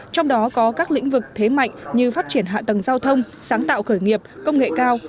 trong đó có các lĩnh vực thế mạnh như phát triển hạ tầng giao thông sáng tạo khởi nghiệp công nghệ cao